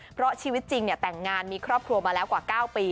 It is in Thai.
เพราะชีวิตจริงแต่งงานมีครอบครัวมาแล้วกว่า๙ปี